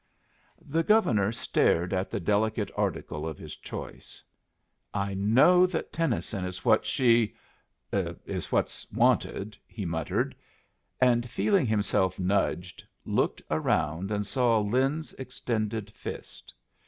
The Governor stared at the delicate article of his choice. "I know that Tennyson is what she is what's wanted," he muttered; and, feeling himself nudged, looked around and saw Lin's extended fist.